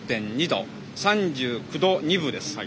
３９度２分です。